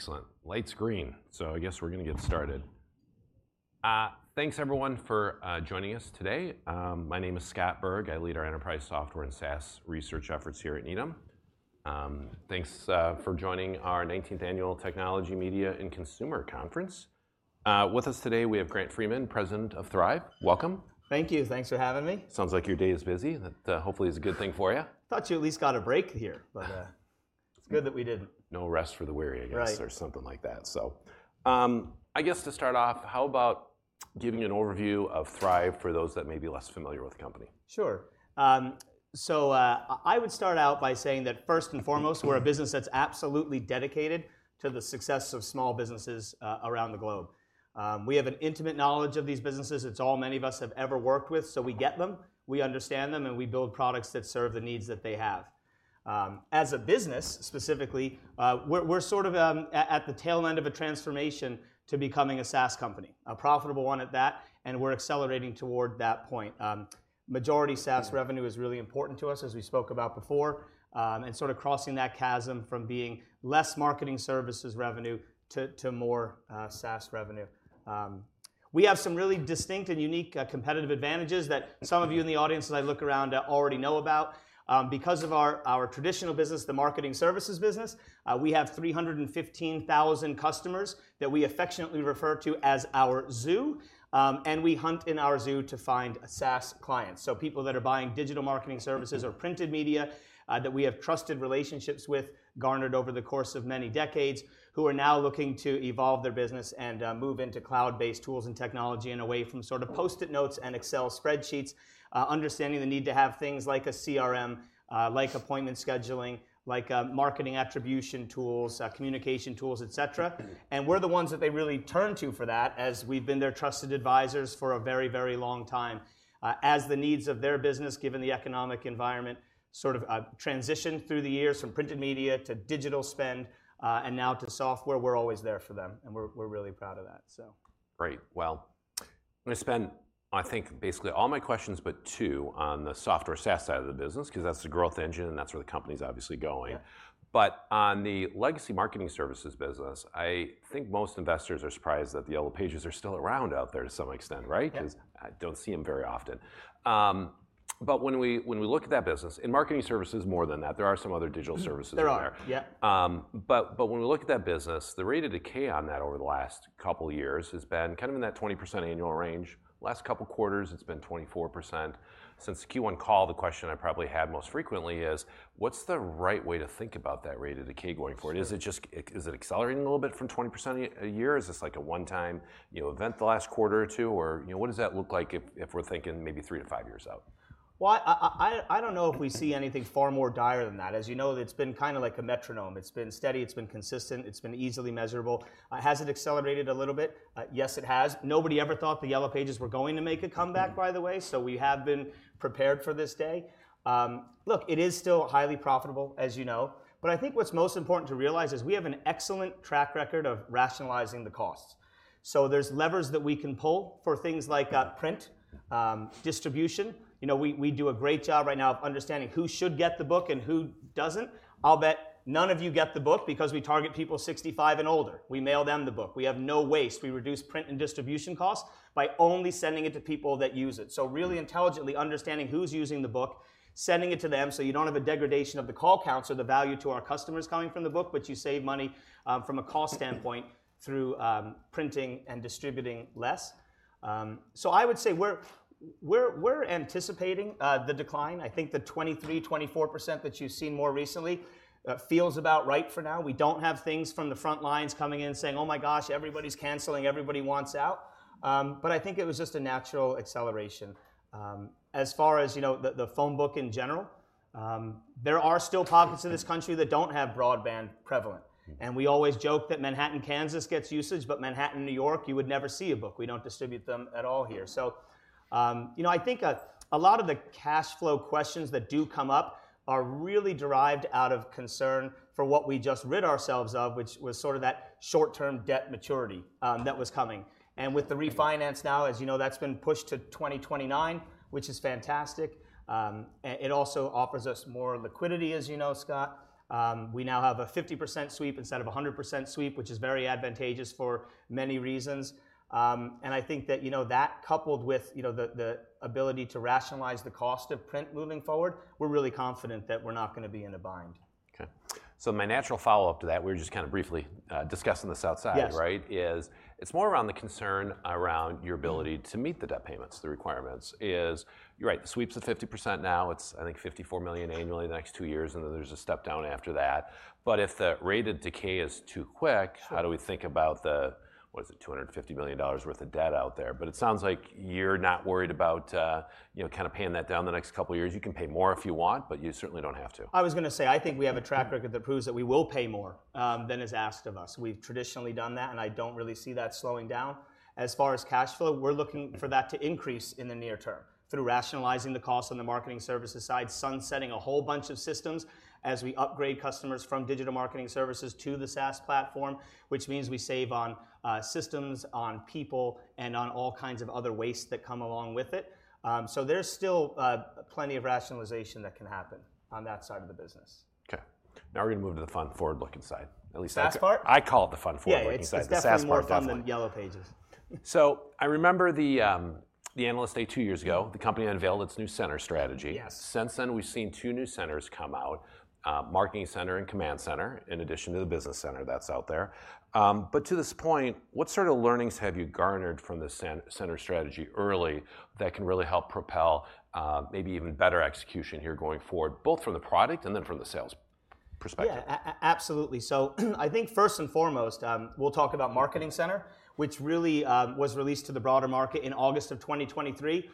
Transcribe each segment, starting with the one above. Excellent. Light's green, so I guess we're going to get started. Thanks everyone for joining us today. My name is Scott Berg. I lead our enterprise software and SaaS research efforts here at Needham. Thanks for joining our 19th Annual Technology, Media, and Consumer Conference. With us today we have Grant Freeman, President of Thryv. Welcome. Thank you. Thanks for having me. Sounds like your day is busy. That, hopefully, is a good thing for you. Thought you at least got a break here, but it's good that we didn't. No rest for the weary, I guess, or something like that. I guess to start off, how about giving an overview of Thryv for those that may be less familiar with the company? Sure. So, I would start out by saying that first and foremost, we're a business that's absolutely dedicated to the success of small businesses around the globe. We have an intimate knowledge of these businesses. It's all many of us have ever worked with, so we get them, we understand them, and we build products that serve the needs that they have. As a business specifically, we're, we're sort of, a-at the tail end of a transformation to becoming a SaaS company, a profitable one at that, and we're accelerating toward that point. Majority SaaS revenue is really important to us, as we spoke about before, and sort of crossing that chasm from being less marketing services revenue to, to more, SaaS revenue. We have some really distinct and unique competitive advantages that some of you in the audience as I look around already know about. Because of our, our traditional business, the marketing services business, we have 315,000 customers that we affectionately refer to as our Zoo. We hunt in our Zoo to find SaaS clients, so people that are buying digital marketing services or printed media, that we have trusted relationships with, garnered over the course of many decades, who are now looking to evolve their business and, move into cloud-based tools and technology in a way from sort of Post-it notes and Excel spreadsheets, understanding the need to have things like a CRM, like appointment scheduling, like, marketing attribution tools, communication tools, etc. We're the ones that they really turn to for that, as we've been their trusted advisors for a very, very long time. As the needs of their business, given the economic environment, sort of transitioned through the years from printed media to digital spend, and now to software, we're always there for them, and we're really proud of that, so. Great. Well, I'm going to spend, I think, basically all my questions, but two, on the software SaaS side of the business, because that's the growth engine and that's where the company's obviously going. But on the legacy Marketing Services business, I think most investors are surprised that the Yellow Pages are still around out there to some extent, right? Because I don't see them very often. But when we look at that business, in Marketing Services more than that, there are some other digital services in there. But when we look at that business, the rate of decay on that over the last couple of years has been kind of in that 20% annual range. Last couple of quarters it's been 24%. Since Q1 call, the question I probably had most frequently is, what's the right way to think about that rate of decay going forward? Is it just, is it accelerating a little bit from 20% a year? Is this like a one-time, you know, event the last quarter or two? Or, you know, what does that look like if, if we're thinking maybe three to five years out? Well, I don't know if we see anything far more dire than that. As you know, it's been kind of like a metronome. It's been steady. It's been consistent. It's been easily measurable. Has it accelerated a little bit? Yes, it has. Nobody ever thought the Yellow Pages were going to make a comeback, by the way, so we have been prepared for this day. Look, it is still highly profitable, as you know. But I think what's most important to realize is we have an excellent track record of rationalizing the costs. So there's levers that we can pull for things like print, distribution. You know, we do a great job right now of understanding who should get the book and who doesn't. I'll bet none of you get the book because we target people 65 and older. We mail them the book. We have no waste. We reduce print and distribution costs by only sending it to people that use it. So really intelligently understanding who's using the book, sending it to them so you don't have a degradation of the call counts or the value to our customers coming from the book, but you save money, from a cost standpoint through printing and distributing less. So I would say we're anticipating the decline. I think the 23%-24% that you've seen more recently feels about right for now. We don't have things from the front lines coming in saying, "Oh my gosh, everybody's canceling. Everybody wants out," but I think it was just a natural acceleration. As far as, you know, the phone book in general, there are still pockets of this country that don't have broadband prevalent. And we always joke that Manhattan, Kansas gets usage, but Manhattan, New York, you would never see a book. We don't distribute them at all here. So, you know, I think, a lot of the cash flow questions that do come up are really derived out of concern for what we just rid ourselves of, which was sort of that short-term debt maturity, that was coming. And with the refinance now, as you know, that's been pushed to 2029, which is fantastic. It also offers us more liquidity, as you know, Scott. We now have a 50% sweep instead of a 100% sweep, which is very advantageous for many reasons. And I think that, you know, that coupled with, you know, the ability to rationalize the cost of print moving forward, we're really confident that we're not going to be in a bind. Okay. So my natural follow-up to that, we were just kind of briefly discussing this outside, right, is it's more around the concern around your ability to meet the debt payments, the requirements, is you're right, the sweep's a 50% now. It's, I think, $54 million annually the next two years, and then there's a step down after that. But if the rate of decay is too quick, how do we think about the, what is it, $250 million worth of debt out there? But it sounds like you're not worried about, you know, kind of paying that down the next couple of years. You can pay more if you want, but you certainly don't have to. I was going to say, I think we have a track record that proves that we will pay more than is asked of us. We've traditionally done that, and I don't really see that slowing down. As far as cash flow, we're looking for that to increase in the near term through rationalizing the costs on the marketing services side, sunsetting a whole bunch of systems as we upgrade customers from digital marketing services to the SaaS platform, which means we save on systems, on people, and on all kinds of other waste that come along with it. So there's still plenty of rationalization that can happen on that side of the business. Okay. Now we're going to move to the fun forward-looking side. At least that's. SaaS part? I call it the fun forward-looking side. Yeah, definitely more fun than the Yellow Pages. So, I remember the Analyst Day two years ago, the company unveiled its new Command Center strategy. Yes. Since then, we've seen two new centers come out, Marketing Center and Command Center, in addition to the Business Center that's out there. But to this point, what sort of learnings have you garnered from the center strategy early that can really help propel, maybe even better execution here going forward, both from the product and then from the sales perspective? Yeah, absolutely. So I think first and foremost, we'll talk about Marketing Center, which really was released to the broader market in August of 2023.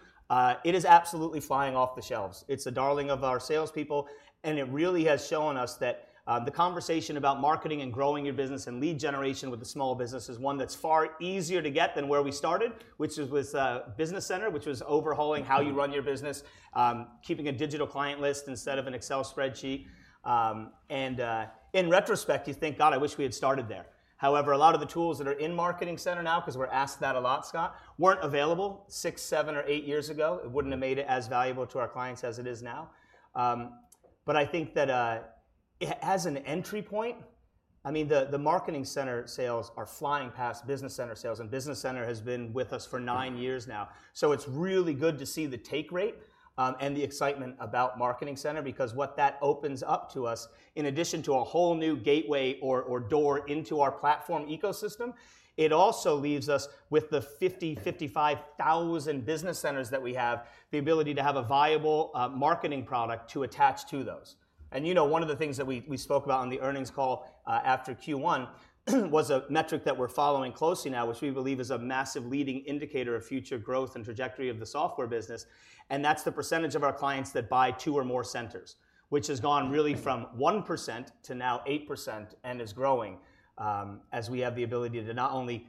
It is absolutely flying off the shelves. It's a darling of our salespeople, and it really has shown us that the conversation about marketing and growing your business and lead generation with the small business is one that's far easier to get than where we started, which was with Business Center, which was overhauling how you run your business, keeping a digital client list instead of an Excel spreadsheet. And in retrospect, you think, "God, I wish we had started there." However, a lot of the tools that are in Marketing Center now, because we're asked that a lot, Scott, weren't available six, seven, or eight years ago. It wouldn't have made it as valuable to our clients as it is now. but I think that, as an entry point, I mean, the Marketing Center sales are flying past Business Center sales, and Business Center has been with us for nine years now. So it's really good to see the take rate, and the excitement about Marketing Center, because what that opens up to us, in addition to a whole new gateway or door into our platform ecosystem, it also leaves us with the 50-55,000 business centers that we have, the ability to have a viable marketing product to attach to those. And you know, one of the things that we spoke about on the earnings call, after Q1 was a metric that we're following closely now, which we believe is a massive leading indicator of future growth and trajectory of the software business. That's the percentage of our clients that buy two or more centers, which has gone really from 1% to now 8% and is growing, as we have the ability to not only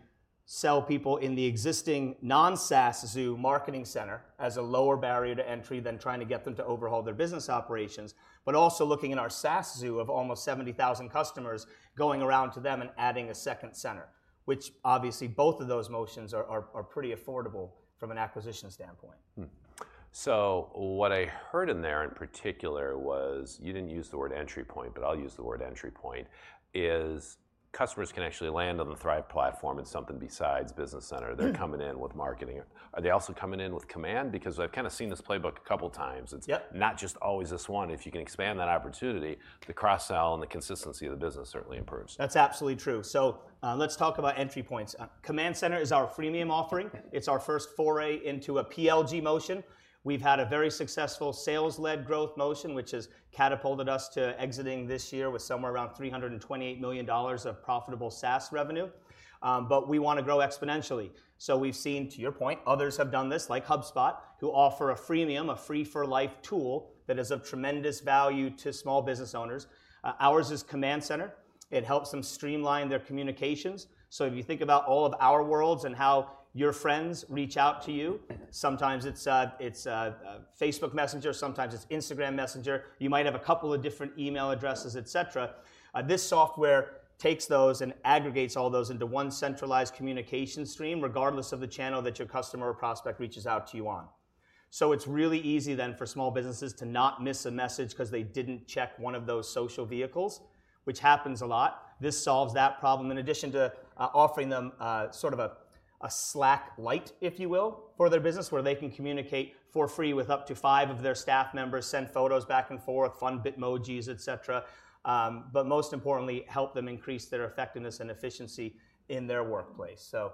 sell people in the existing non-SaaS Zoo Marketing Center as a lower barrier to entry than trying to get them to overhaul their business operations, but also looking in our SaaS Zoo of almost 70,000 customers going around to them and adding a second center, which obviously both of those motions are pretty affordable from an acquisition standpoint. What I heard in there in particular was you didn't use the word entry point, but I'll use the word entry point, is customers can actually land on the Thryv platform in something besides Business Center. They're coming in with marketing. Are they also coming in with command? Because I've kind of seen this playbook a couple of times. It's not just always this one. If you can expand that opportunity, the cross-sell and the consistency of the business certainly improves. That's absolutely true. So, let's talk about entry points. Command Center is our freemium offering. It's our first foray into a PLG motion. We've had a very successful sales-led growth motion, which has catapulted us to exiting this year with somewhere around $328 million of profitable SaaS revenue. But we want to grow exponentially. So we've seen, to your point, others have done this, like HubSpot, who offer a freemium, a free-for-life tool that is of tremendous value to small business owners. Ours is Command Center. It helps them streamline their communications. So if you think about all of our worlds and how your friends reach out to you, sometimes it's, it's, Facebook Messenger, sometimes it's Instagram Messenger. You might have a couple of different email addresses, etc. This software takes those and aggregates all those into one centralized communication stream, regardless of the channel that your customer or prospect reaches out to you on. So it's really easy then for small businesses to not miss a message because they didn't check one of those social vehicles, which happens a lot. This solves that problem, in addition to offering them sort of a Slack light, if you will, for their business where they can communicate for free with up to five of their staff members, send photos back and forth, fun Bitmojis, etc., but most importantly, help them increase their effectiveness and efficiency in their workplace. So,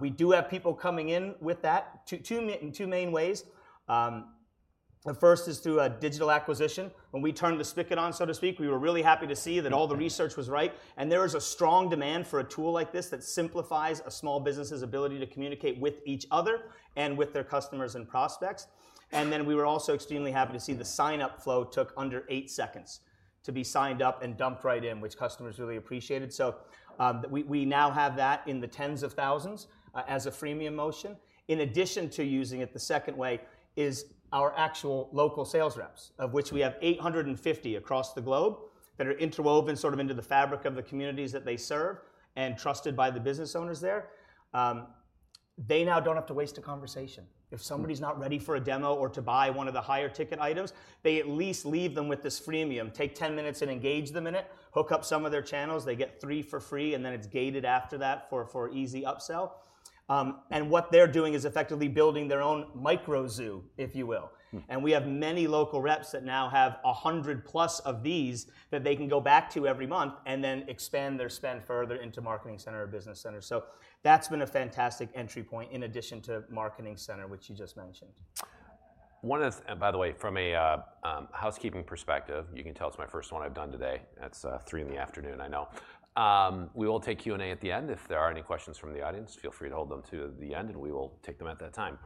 we do have people coming in with that two main ways. The first is through a digital acquisition. When we turned the spigot on, so to speak, we were really happy to see that all the research was right, and there was a strong demand for a tool like this that simplifies a small business's ability to communicate with each other and with their customers and prospects. And then we were also extremely happy to see the signup flow took under eight seconds to be signed up and dumped right in, which customers really appreciated. So, we now have that in the tens of thousands, as a freemium motion. In addition to using it the second way is our actual local sales reps, of which we have 850 across the globe that are interwoven sort of into the fabric of the communities that they serve and trusted by the business owners there. They now don't have to waste a conversation. If somebody's not ready for a demo or to buy one of the higher-ticket items, they at least leave them with this freemium, take 10 minutes and engage them in it, hook up some of their channels, they get three for free, and then it's gated after that for easy upsell. What they're doing is effectively building their own micro zoo, if you will. We have many local reps that now have 100-plus of these that they can go back to every month and then expand their spend further into Marketing Center or Business Center. So that's been a fantastic entry point, in addition to Marketing Center, which you just mentioned. By the way, from a housekeeping perspective, you can tell it's my first one I've done today. It's 3:00 P.M., I know. We will take Q&A at the end. If there are any questions from the audience, feel free to hold them to the end, and we will take them at that time.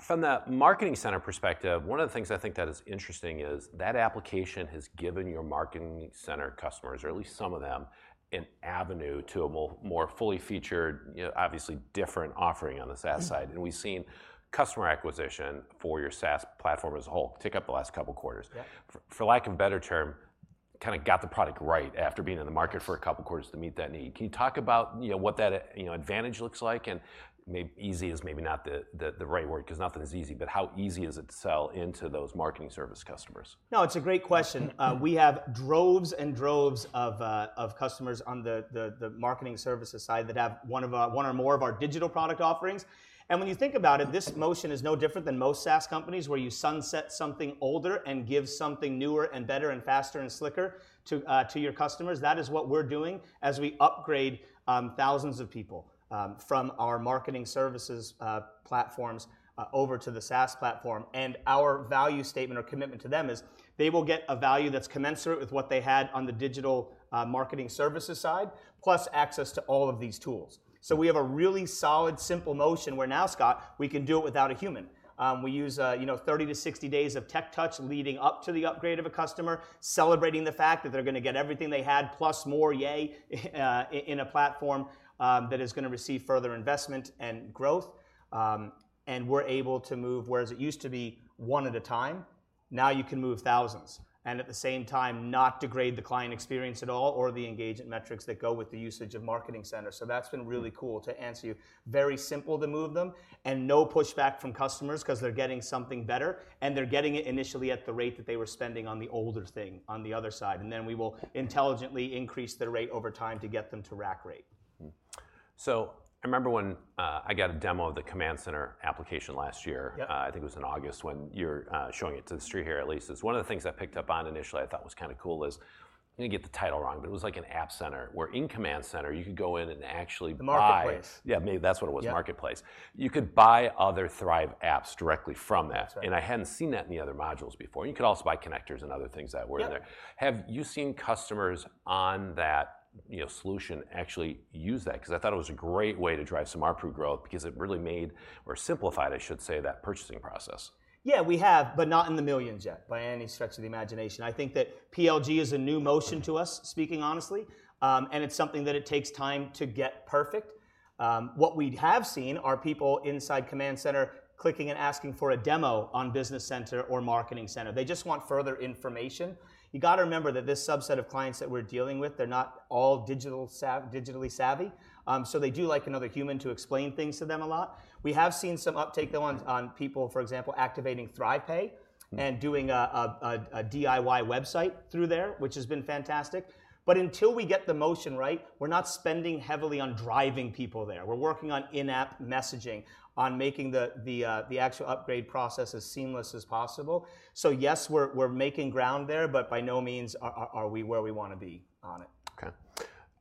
From the Marketing Center perspective, one of the things I think that is interesting is that application has given your Marketing Center customers, or at least some of them, an avenue to a more fully featured, you know, obviously different offering on the SaaS side. And we've seen customer acquisition for your SaaS platform as a whole tick up the last couple of quarters. Yep. For lack of a better term, kind of got the product right after being in the market for a couple of quarters to meet that need. Can you talk about, you know, what that, you know, advantage looks like? And maybe easy is maybe not the right word because nothing's easy, but how easy is it to sell into those marketing service customers? No, it's a great question. We have droves and droves of customers on the marketing services side that have one or more of our digital product offerings. And when you think about it, this motion is no different than most SaaS companies, where you sunset something older and give something newer and better and faster and slicker to your customers. That is what we're doing as we upgrade thousands of people from our marketing services platforms over to the SaaS platform. And our value statement or commitment to them is they will get a value that's commensurate with what they had on the digital marketing services side, plus access to all of these tools. So we have a really solid, simple motion where now, Scott, we can do it without a human. We use, you know, 30-60 days of tech touch leading up to the upgrade of a customer, celebrating the fact that they're going to get everything they had, plus more, yay, in a platform that is going to receive further investment and growth. And we're able to move whereas it used to be one at a time, now you can move thousands, and at the same time, not degrade the client experience at all or the engagement metrics that go with the usage of Marketing Center. So that's been really cool to answer you. Very simple to move them, and no pushback from customers because they're getting something better, and they're getting it initially at the rate that they were spending on the older thing on the other side. And then we will intelligently increase the rate over time to get them to rack rate. I remember when I got a demo of the Command Center application last year. Yep. I think it was in August when you're showing it to the street here, at least. It's one of the things I picked up on initially I thought was kind of cool is I'm going to get the title wrong, but it was like an app center where in Command Center, you could go in and actually buy. The Marketplace. Yeah, maybe that's what it was, Marketplace. You could buy other Thryv apps directly from that. And I hadn't seen that in the other modules before. And you could also buy connectors and other things that were in there. Have you seen customers on that, you know, solution actually use that? Because I thought it was a great way to drive some RPU growth because it really made or simplified, I should say, that purchasing process. Yeah, we have, but not in the millions yet, by any stretch of the imagination. I think that PLG is a new motion to us, speaking honestly. And it's something that it takes time to get perfect. What we have seen are people inside Command Center clicking and asking for a demo on Business Center or Marketing Center. They just want further information. You got to remember that this subset of clients that we're dealing with, they're not all digitally savvy. So they do like another human to explain things to them a lot. We have seen some uptake, though, on people, for example, activating Thryv Pay and doing a DIY website through there, which has been fantastic. But until we get the motion right, we're not spending heavily on driving people there. We're working on in-app messaging, on making the actual upgrade process as seamless as possible. So yes, we're making ground there, but by no means are we where we want to be on it. Okay.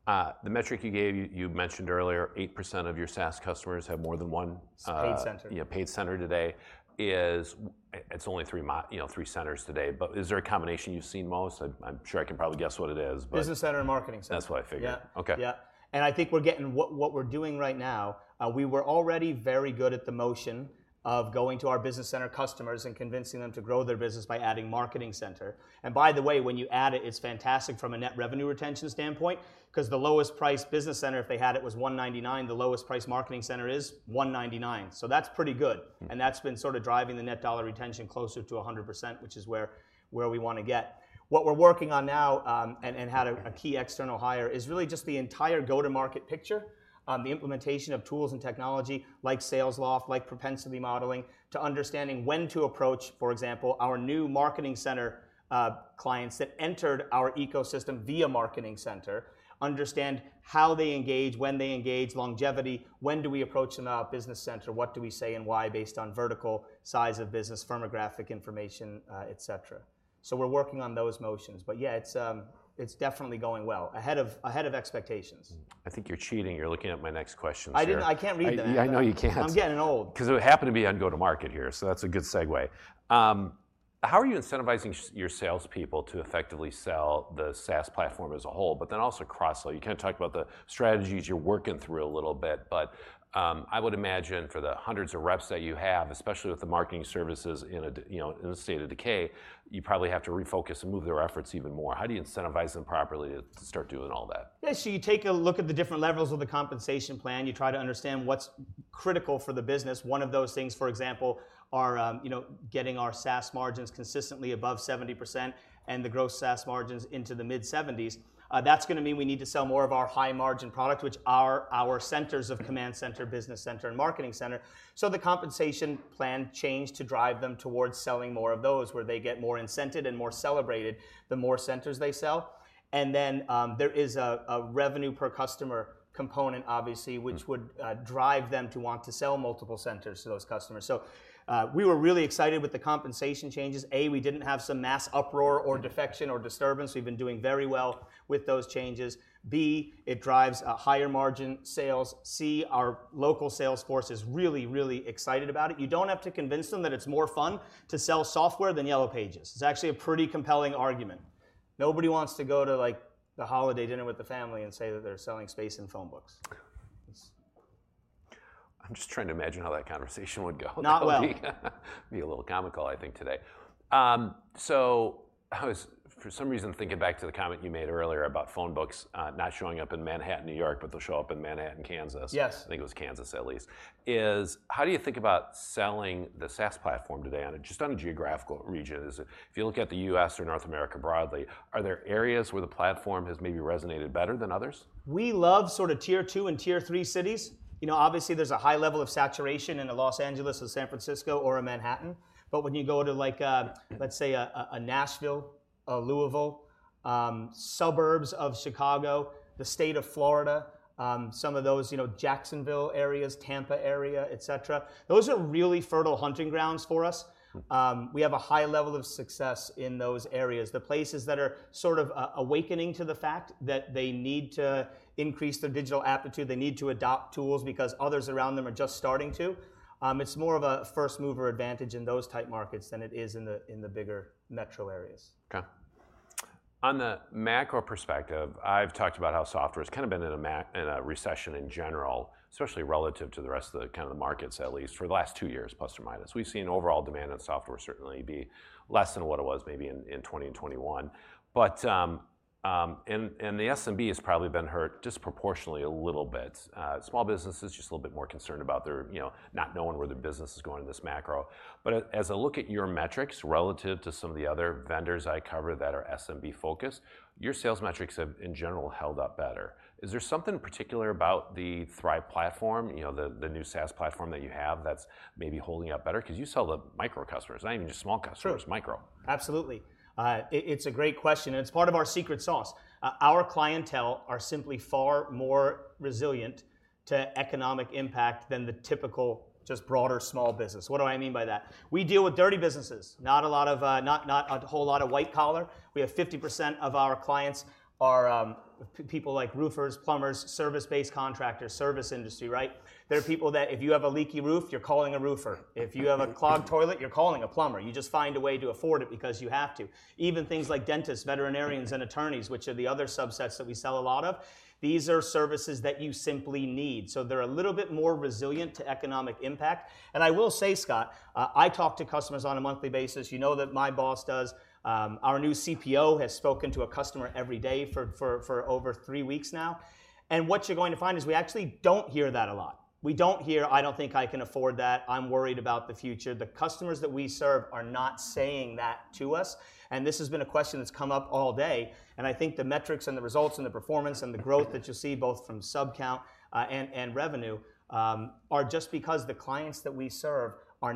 The metric you gave, you mentioned earlier, 8% of your SaaS customers have more than one, Paid center. Yeah, paid center today. Is it only three, you know, three centers today? But is there a combination you've seen most? I'm sure I can probably guess what it is, but. Business Center and Marketing Center. That's what I figured. Yep. Okay. Yep. And I think we're getting what we're doing right now, we were already very good at the motion of going to our Business Center customers and convincing them to grow their business by adding Marketing Center. And by the way, when you add it, it's fantastic from a net revenue retention standpoint because the lowest-priced Business Center, if they had it, was $199. The lowest-priced Marketing Center is $199. So that's pretty good. And that's been sort of driving the net dollar retention closer to 100%, which is where we want to get. What we're working on now, and had a key external hire, is really just the entire go-to-market picture, the implementation of tools and technology like Salesloft, like propensity modeling, to understanding when to approach, for example, our new Marketing Center, clients that entered our ecosystem via Marketing Center, understand how they engage, when they engage, longevity, when do we approach them at our Business Center, what do we say and why based on vertical, size of business, firmographic information, etc. So we're working on those motions. But yeah, it's definitely going well ahead of expectations. I think you're cheating. You're looking at my next questions. I can't read that. I know you can't. I'm getting old. Because it would happen to be on go-to-market here. So that's a good segue. How are you incentivizing your salespeople to effectively sell the SaaS platform as a whole, but then also cross-sell? You kind of talked about the strategies you're working through a little bit. But, I would imagine for the hundreds of reps that you have, especially with the marketing services in a, you know, in a state of decay, you probably have to refocus and move their efforts even more. How do you incentivize them properly to start doing all that? Yeah, so you take a look at the different levels of the compensation plan. You try to understand what's critical for the business. One of those things, for example, are, you know, getting our SaaS margins consistently above 70% and the gross SaaS margins into the mid-70s. That's going to mean we need to sell more of our high-margin product, which are our centers of Command Center, Business Center, and Marketing Center. So the compensation plan changed to drive them towards selling more of those, where they get more incented and more celebrated the more centers they sell. And then, there is a revenue per customer component, obviously, which would drive them to want to sell multiple centers to those customers. So, we were really excited with the compensation changes. And, we didn't have some mass uproar or defection or disturbance. We've been doing very well with those changes. B, it drives higher-margin sales. C, our local sales force is really, really excited about it. You don't have to convince them that it's more fun to sell software than Yellow Pages. It's actually a pretty compelling argument. Nobody wants to go to, like, the holiday dinner with the family and say that they're selling space and phone books. I'm just trying to imagine how that conversation would go. Not well. That would be a little comical, I think, today. So I was, for some reason, thinking back to the comment you made earlier about phone books, not showing up in Manhattan, New York, but they'll show up in Manhattan, Kansas. Yes. I think it was Kansas, at least. Is how do you think about selling the SaaS platform today on a just on a geographical region? Is it if you look at the U.S. or North America broadly, are there areas where the platform has maybe resonated better than others? We love sort of tier two and tier three cities. You know, obviously, there's a high level of saturation in a Los Angeles or San Francisco or a Manhattan. But when you go to, like, let's say, a Nashville, a Louisville, suburbs of Chicago, the state of Florida, some of those, you know, Jacksonville areas, Tampa area, etc., those are really fertile hunting grounds for us. We have a high level of success in those areas, the places that are sort of awakening to the fact that they need to increase their digital aptitude, they need to adopt tools because others around them are just starting to. It's more of a first-mover advantage in those type markets than it is in the bigger metro areas. Okay. On the macro perspective, I've talked about how software has kind of been in a macro recession in general, especially relative to the rest of the kind of the markets, at least for the last two years, plus or minus. We've seen overall demand in software certainly be less than what it was maybe in 2021. But the SMB has probably been hurt disproportionately a little bit. Small businesses just a little bit more concerned about their, you know, not knowing where their business is going in this macro. But as I look at your metrics relative to some of the other vendors I cover that are SMB-focused, your sales metrics have, in general, held up better. Is there something particular about the Thryv platform, you know, the new SaaS platform that you have that's maybe holding up better? Because you sell to micro customers, not even just small customers. Micro. Sure. Absolutely. It's a great question. It's part of our secret sauce. Our clientele are simply far more resilient to economic impact than the typical, just broader small business. What do I mean by that? We deal with dirty businesses, not a whole lot of white-collar. We have 50% of our clients are, people like roofers, plumbers, service-based contractors, service industry, right? There are people that if you have a leaky roof, you're calling a roofer. If you have a clogged toilet, you're calling a plumber. You just find a way to afford it because you have to. Even things like dentists, veterinarians, and attorneys, which are the other subsets that we sell a lot of, these are services that you simply need. So they're a little bit more resilient to economic impact. I will say, Scott, I talk to customers on a monthly basis. You know that my boss does. Our new CPO has spoken to a customer every day for over three weeks now. And what you're going to find is we actually don't hear that a lot. We don't hear, "I don't think I can afford that. I'm worried about the future." The customers that we serve are not saying that to us. And this has been a question that's come up all day. And I think the metrics and the results and the performance and the growth that you'll see both from subcount and revenue are just because the clients that we serve are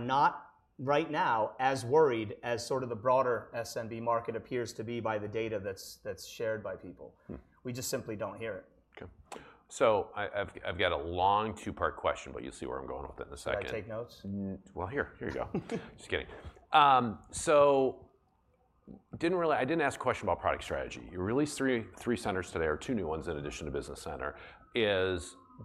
not, right now, as worried as sort of the broader SMB market appears to be by the data that's shared by people. We just simply don't hear it. Okay. So I've got a long two-part question, but you'll see where I'm going with it in a second. Can I take notes? Well, here. Here you go. Just kidding. So I didn't ask a question about product strategy. You released three centers today or two new ones in addition to Business Center.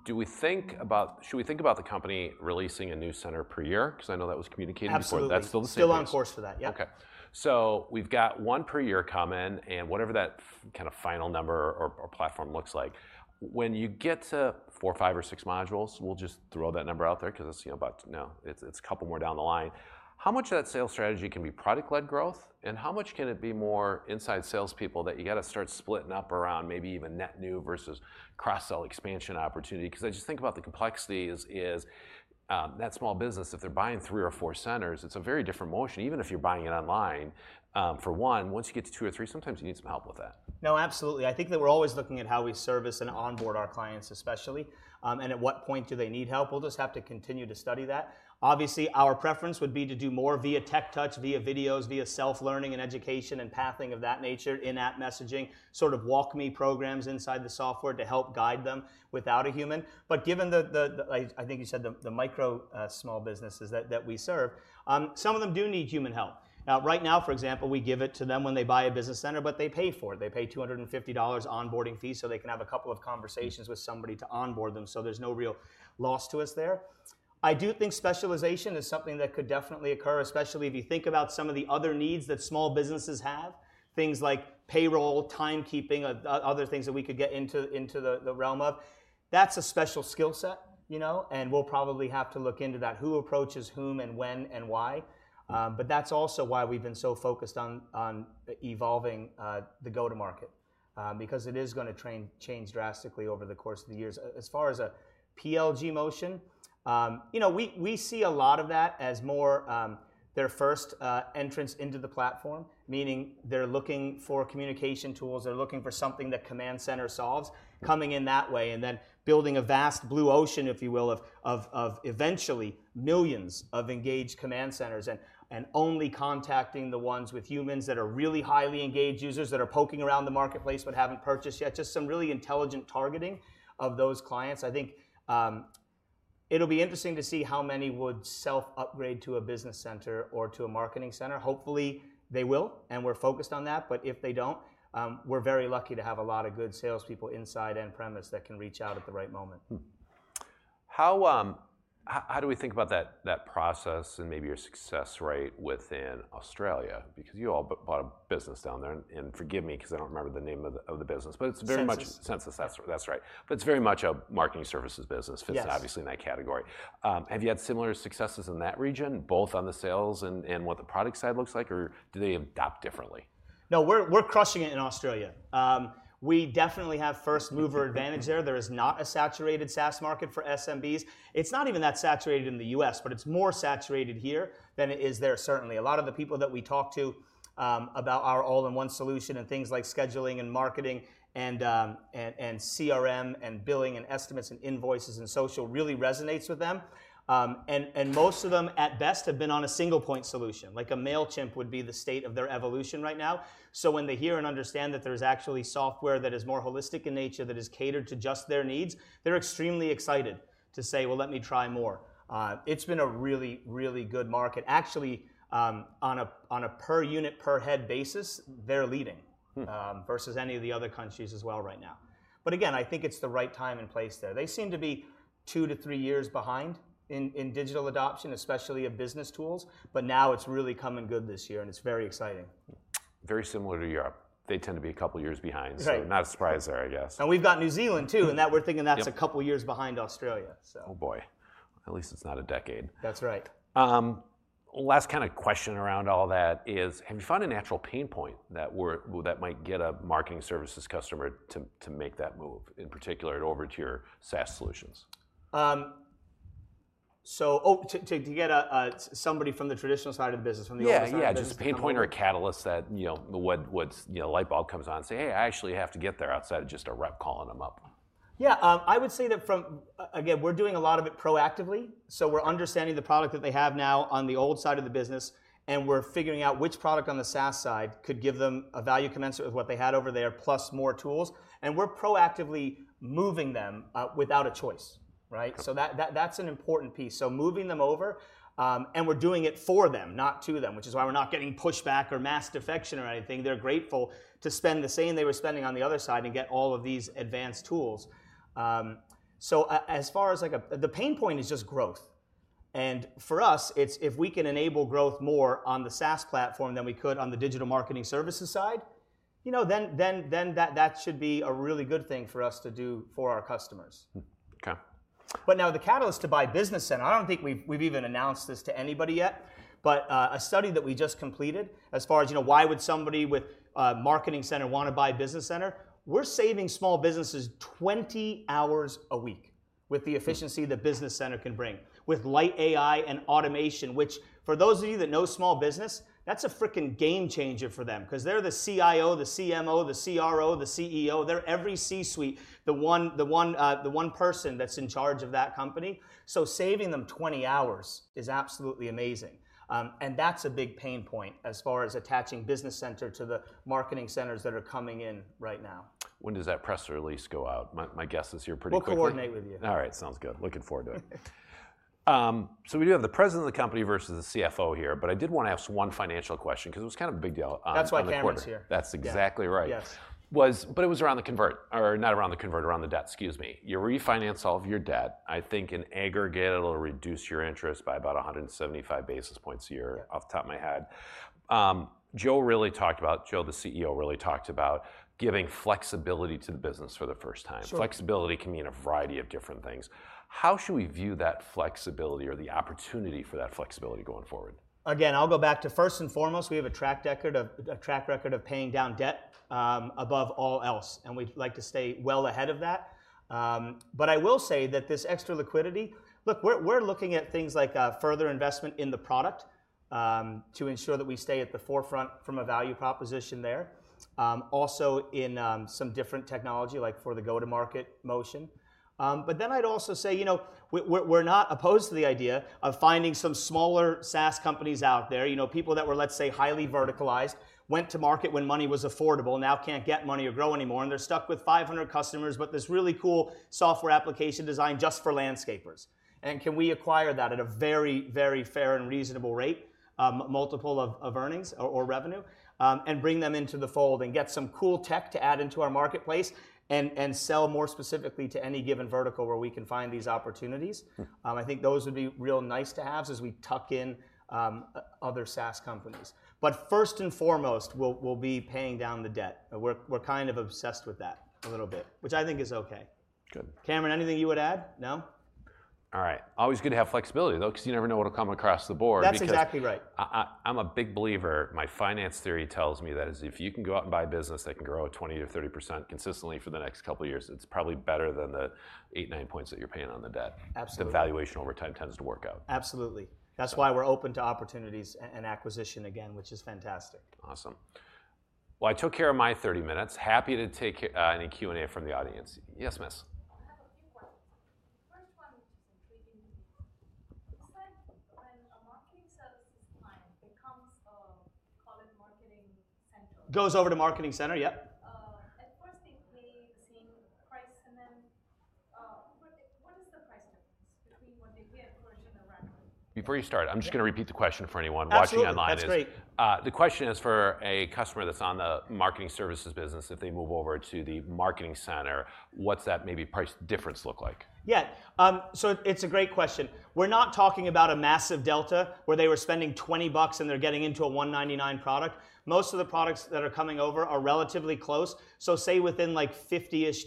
Do we think about the company releasing a new center per year? Because I know that was communicated before. Absolutely. That's still the same thing. Still on course for that, yeah. Okay. So we've got one per year coming, and whatever that kind of final number or platform looks like, when you get to four, five, or six modules, we'll just throw that number out there because it's, you know, about, it's a couple more down the line. How much of that sales strategy can be product-led growth? And how much can it be more inside salespeople that you got to start splitting up around maybe even net new versus cross-sell expansion opportunity? Because I just think about the complexity is that small business, if they're buying three or four centers, it's a very different motion, even if you're buying it online. For one, once you get to two or three, sometimes you need some help with that. No, absolutely. I think that we're always looking at how we service and onboard our clients, especially, and at what point do they need help? We'll just have to continue to study that. Obviously, our preference would be to do more via tech touch, via videos, via self-learning and education and pathing of that nature, in-app messaging, sort of WalkMe programs inside the software to help guide them without a human. But given the micro small businesses that we serve, some of them do need human help. Now, right now, for example, we give it to them when they buy a Business Center, but they pay for it. They pay $250 onboarding fees so they can have a couple of conversations with somebody to onboard them. So there's no real loss to us there. I do think specialization is something that could definitely occur, especially if you think about some of the other needs that small businesses have, things like payroll, timekeeping, other things that we could get into the realm of. That's a special skill set, you know? And we'll probably have to look into that, who approaches whom and when and why. But that's also why we've been so focused on evolving the go-to-market, because it is going to train change drastically over the course of the years. As far as a PLG motion, you know, we see a lot of that as more their first entrance into the platform, meaning they're looking for communication tools. They're looking for something that Command Center solves, coming in that way and then building a vast blue ocean, if you will, of eventually millions of engaged Command Centers and only contacting the ones with humans that are really highly engaged users that are poking around the marketplace but haven't purchased yet, just some really intelligent targeting of those clients. I think it'll be interesting to see how many would self-upgrade to a Business Center or to a Marketing Center. Hopefully, they will. We're focused on that. But if they don't, we're very lucky to have a lot of good salespeople inside and premise that can reach out at the right moment. How do we think about that process and maybe your success rate within Australia? Because you all bought a business down there. And forgive me because I don't remember the name of the business. But it's very much. Sense. Sensis. That's, that's right. But it's very much a marketing services business. Yes. Fits obviously in that category. Have you had similar successes in that region, both on the sales and, and what the product side looks like? Or do they adopt differently? No, we're crushing it in Australia. We definitely have first-mover advantage there. There is not a saturated SaaS market for SMBs. It's not even that saturated in the U.S., but it's more saturated here than it is there, certainly. A lot of the people that we talk to about our all-in-one solution and things like scheduling and marketing and CRM and billing and estimates and invoices and social really resonates with them. And most of them, at best, have been on a single-point solution. Like a Mailchimp would be the state of their evolution right now. So when they hear and understand that there's actually software that is more holistic in nature, that is catered to just their needs, they're extremely excited to say, "Well, let me try more." It's been a really, really good market. Actually, on a per unit, per head basis, they're leading versus any of the other countries as well right now. But again, I think it's the right time and place there. They seem to be two-three years behind in digital adoption, especially of business tools. But now it's really come in good this year, and it's very exciting. Very similar to Europe. They tend to be a couple of years behind. Yeah. Not surprising, I guess. We've got New Zealand too. And that we're thinking that's a couple of years behind Australia, so. Oh, boy. At least it's not a decade. That's right. Last kind of question around all that is, have you found a natural pain point that might get a marketing services customer to make that move, in particular over to your SaaS solutions? So, to get a somebody from the traditional side of the business, from the older side of the business. Yeah, yeah. Just a pain point or a catalyst that, you know, what's, you know, light bulb comes on and say, "Hey, I actually have to get there outside of just a rep calling them up. Yeah. I would say that from again, we're doing a lot of it proactively. So we're understanding the product that they have now on the old side of the business, and we're figuring out which product on the SaaS side could give them a value commensurate with what they had over there, plus more tools. And we're proactively moving them, without a choice, right? So that, that's an important piece. So moving them over, and we're doing it for them, not to them, which is why we're not getting pushback or mass defection or anything. They're grateful to spend the same they were spending on the other side and get all of these advanced tools. So as far as, like, the pain point is just growth. For us, it's if we can enable growth more on the SaaS platform than we could on the digital marketing services side, you know, then that should be a really good thing for us to do for our customers. Okay. But now the catalyst to buy Business Center I don't think we've even announced this to anybody yet. But, a study that we just completed, as far as, you know, why would somebody with a Marketing Center want to buy a Business Center? We're saving small businesses 20 hours a week with the efficiency that Business Center can bring, with light AI and automation, which for those of you that know small business, that's a fricking game changer for them because they're the CIO, the CMO, the CRO, the CEO. They're every C-suite, the one, the one, the one person that's in charge of that company. So saving them 20 hours is absolutely amazing. And that's a big pain point as far as attaching Business Center to the Marketing Centers that are coming in right now. When does that press release go out? My guess is here pretty quickly. We'll coordinate with you. All right. Sounds good. Looking forward to it. So we do have the president of the company versus the CFO here. But I did want to ask one financial question because it was kind of a big deal. That's why Cameron's here. That's exactly right. Yes. But it was around the covenant or not around the covenant, around the debt. Excuse me. You refinance all of your debt. I think in aggregate, it'll reduce your interest by about 175 basis points a year, off the top of my head. Joe really talked about Joe, the CEO, really talked about giving flexibility to the business for the first time. Flexibility can mean a variety of different things. How should we view that flexibility or the opportunity for that flexibility going forward? Again, I'll go back to first and foremost, we have a track record of paying down debt, above all else. We'd like to stay well ahead of that. But I will say that this extra liquidity, look, we're looking at things like further investment in the product, to ensure that we stay at the forefront from a value proposition there, also in some different technology, like for the go-to-market motion. But then I'd also say, you know, we're not opposed to the idea of finding some smaller SaaS companies out there, you know, people that were, let's say, highly verticalized, went to market when money was affordable, now can't get money or grow anymore, and they're stuck with 500 customers, but this really cool software application designed just for landscapers. Can we acquire that at a very, very fair and reasonable rate, multiple of earnings or revenue, and bring them into the fold and get some cool tech to add into our marketplace and sell more specifically to any given vertical where we can find these opportunities? I think those would be real nice to have as we tuck in other SaaS companies. But first and foremost, we'll be paying down the debt. We're kind of obsessed with that a little bit, which I think is okay. Good. Cameron, anything you would add? No? All right. Always good to have flexibility, though, because you never know what'll come across the board. That's exactly right. Because I'm a big believer. My finance theory tells me that if you can go out and buy a business that can grow 20% or 30% consistently for the next couple of years, it's probably better than the eight-nine points that you're paying on the debt. Absolutely. The valuation over time tends to work out. Absolutely. That's why we're open to opportunities and acquisition again, which is fantastic. Awesome. Well, I took care of my 30 minutes. Happy to take any Q&A from the audience. Yes, Miss. I have a few questions. The first one, which is intriguing to me, is that when a Marketing Services client becomes a, call it, Marketing Center. Goes over to Marketing Center, yep. At first, they pay the same price. And then, what is the price difference between what they pay at first and around? Before you start, I'm just going to repeat the question for anyone. Watching online is. Absolutely. That's great. The question is for a customer that's on the Marketing Services business, if they move over to the Marketing Center, what's that maybe price difference look like? Yeah. So it's a great question. We're not talking about a massive delta where they were spending $20 and they're getting into a $199 product. Most of the products that are coming over are relatively close. So say within, like, $50-ish,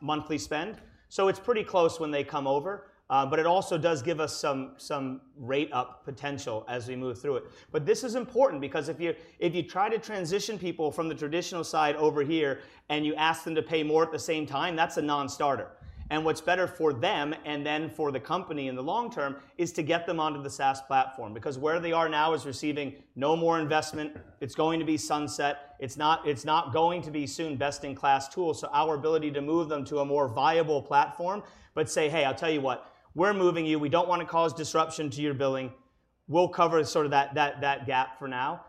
monthly spend. So it's pretty close when they come over. But it also does give us some rate-up potential as we move through it. But this is important because if you try to transition people from the traditional side over here and you ask them to pay more at the same time, that's a non-starter. And what's better for them and then for the company in the long term is to get them onto the SaaS platform because where they are now is receiving no more investment. It's going to be sunset. It's not going to be soon best-in-class tools. So our ability to move them to a more viable platform, but say, "Hey, I'll tell you what. We're moving you. We don't want to cause disruption to your billing. We'll cover sort of that gap for now."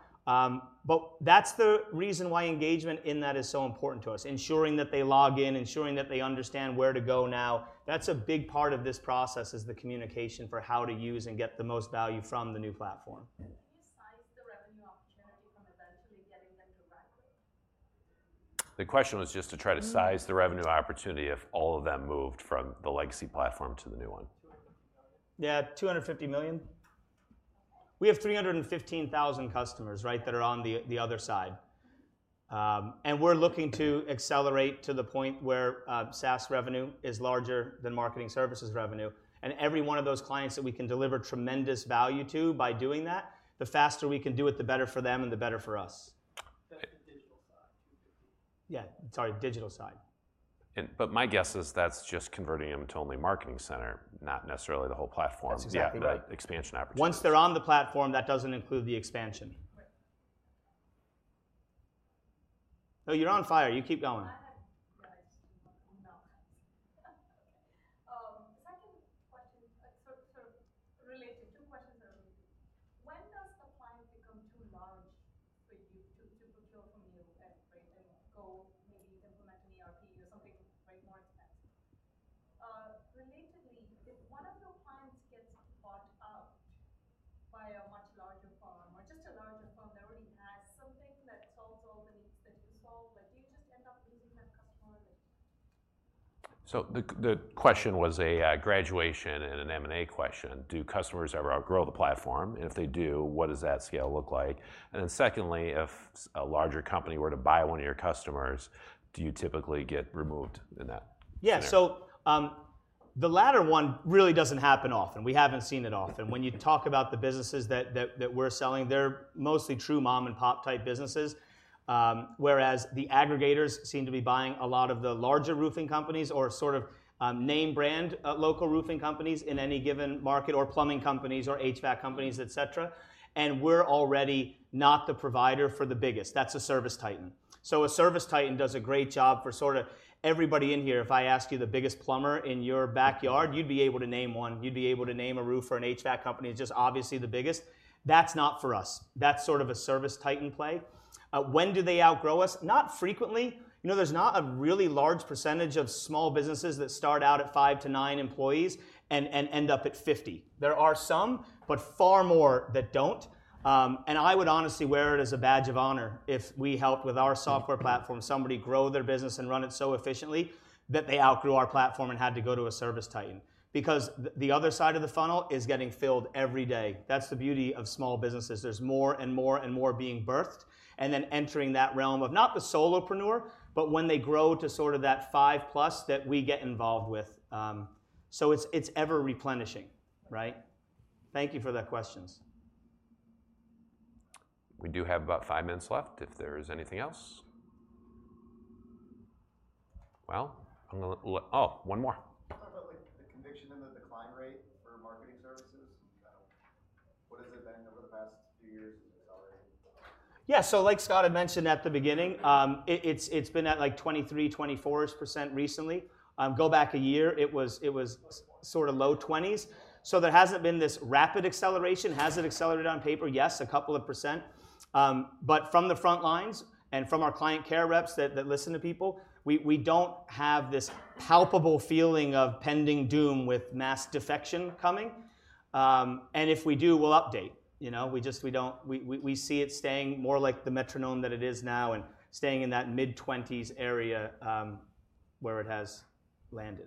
But that's the reason why engagement in that is so important to us, ensuring that they log in, ensuring that they understand where to go now. That's a big part of this process is the communication for how to use and get the most value from the new platform. Can you size the revenue opportunity from eventually getting them to rank with? The question was just to try to size the revenue opportunity if all of them moved from the legacy platform to the new one. Yeah. $250 million. We have 315,000 customers, right, that are on the other side. And we're looking to accelerate to the point where SaaS revenue is larger than marketing services revenue. And every one of those clients that we can deliver tremendous value to by doing that, the faster we can do it, the better for them and the better for us. That's the digital side. $250 million. Yeah. Sorry. Digital side. But my guess is that's just converting them to only Marketing Center, not necessarily the whole platform. Exactly, right. Yeah. Expansion opportunity. Once they're on the platform, that doesn't include the expansion. Great. No, you're on fire. You keep going. whereas the aggregators seem to be buying a lot of the larger roofing companies or sort of, name brand, local roofing companies in any given market or plumbing companies or HVAC companies, et cetera. And we're already not the provider for the biggest. That's a ServiceTitan. So a ServiceTitan does a great job for sort of everybody in here. If I ask you the biggest plumber in your backyard, you'd be able to name one. You'd be able to name a roofer, an HVAC company. It's just obviously the biggest. That's not for us. That's sort of a ServiceTitan play. When do they outgrow us? Not frequently. You know, there's not a really large percentage of small businesses that start out at five-nine employees and end up at 50. There are some, but far more that don't. And I would honestly wear it as a badge of honor if we helped with our software platform somebody grow their business and run it so efficiently that they outgrew our platform and had to go to a ServiceTitan because the other side of the funnel is getting filled every day. That's the beauty of small businesses. There's more and more and more being birthed and then entering that realm of not the solopreneur, but when they grow to sort of that 5+ that we get involved with. So it's ever-replenishing, right? Thank you for the questions. We do have about five minutes left if there's anything else. Well, I'm going to let oh, one more. Talk about, like, the conviction and the decline rate for Marketing Services. I don't know what has it been over the past few years as it's accelerating? Yeah. So like Scott had mentioned at the beginning, it's been at, like, 23%-24% recently. Go back a year, it was sort of low 20s. So there hasn't been this rapid acceleration. Has it accelerated on paper? Yes, a couple of %. But from the front lines and from our client care reps that listen to people, we don't have this palpable feeling of pending doom with mass defection coming. And if we do, we'll update. You know, we just don't we see it staying more like the metronome that it is now and staying in that mid-20s area, where it has landed.